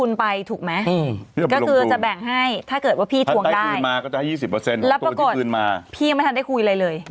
แล้วปรากฏพี่ยังไม่ทันได้คุยอะไรเลย